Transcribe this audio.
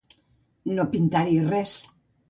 No pintar-hi res.